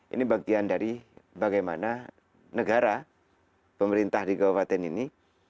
ini bagian dari bagaimana negara pemerintah di kabupaten ini